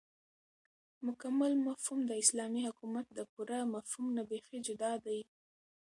مكمل مفهوم داسلامي حكومت دپوره مفهوم نه بيخي جدا دى